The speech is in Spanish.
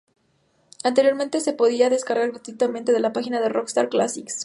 Anteriormente se podía descargar gratuitamente de la página de Rockstar Classics.